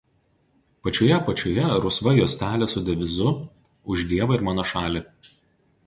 Pačioje apačioje rusva juostelė su devizu „Už dievą ir mano šalį“.